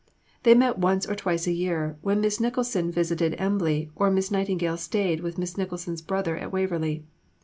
They met once or twice a year when Miss Nicholson visited Embley or Miss Nightingale stayed with Miss Nicholson's brother at Waverley.